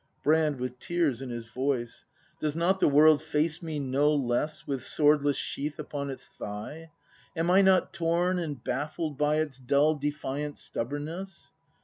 Brand. [With tears in his voice.] Does not the world face me no less With swordless sheath upon its thigh? Am I not torn and baffled by Its dull defiant stubbornness.?